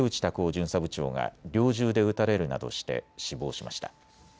巡査部長が猟銃で撃たれるなどして死亡しました。